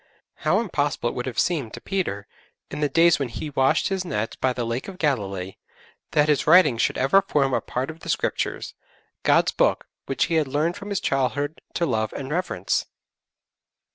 How impossible it would have seemed to Peter, in the days when he washed his nets by the Lake of Galilee, that his writings should ever form a part of the Scriptures God's Book, which he had learned from his childhood to love and reverence!